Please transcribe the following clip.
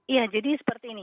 iya jadi seperti ini